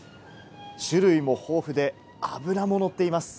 種類も豊富で脂ものっています。